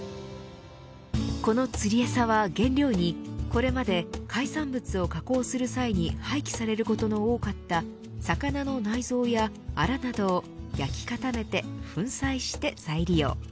この釣りえさは原料にこれまで海産物を加工する際に廃棄されることの多かった魚の内臓やあらなどを焼き固めて粉砕して再利用。